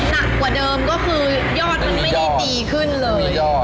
หนักกว่าเดิมก็คือยอดมันไม่ได้ดีขึ้นเลย